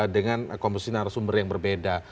dengan komusional sumber yang berbeda